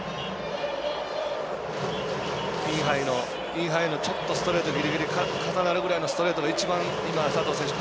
インハイのちょっとストレートギリギリ重なるぐらいのストレートが一番、佐藤選手